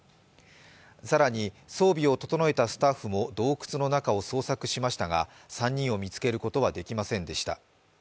更に、装備を整えたスタッフも洞窟の中を捜索しましたが、３人を見つけることはできませんでした。